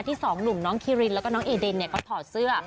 สองหนุ่มน้องคิรินแล้วก็น้องเอเดนเขาถอดเสื้อ